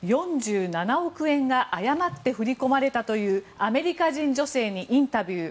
４７億円が誤って振り込まれたというアメリカ人女性にインタビュー。